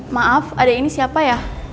maaf ada ini siapa ya